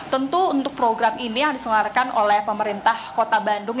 tentu untuk program ini yang diselarkan oleh pemerintah kota bandung